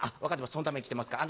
そのために来てますから」。